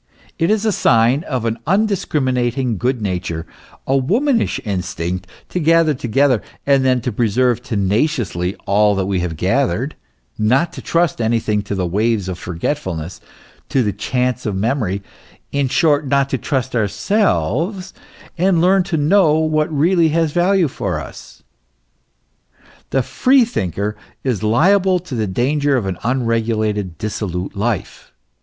63 It is a sign of an undiscriminating good nature, a womanish instinct, to gather together and then to preserve tenaciously all that we have gathered, not to trust anything to the waves of forgetfulness, to the chance of memory, in short not to trust ourselves and learn to know what really has value for us. The freethinker is liahle to the danger of an unregulated, dissolute life.